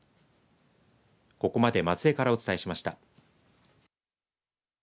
ここまで松江からお伝えしました。